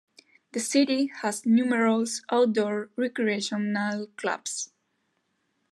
The city has numerous outdoor recreational clubs.